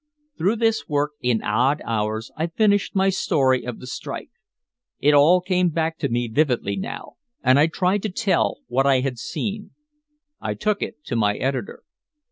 Through this work, in odd hours, I finished my story of the strike. It all came back to me vividly now and I tried to tell what I had seen. I took it to my editor.